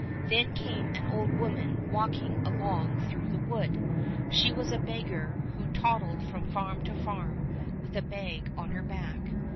Then came an old woman walking along through the wood. She was a beggar who toddled from farm to farm with a bag on her back.